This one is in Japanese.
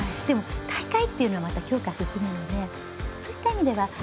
でも、大会というのは強化が進むのでそういった意味では。